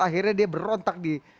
akhirnya dia berontak di